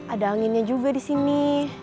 ada anginnya juga disini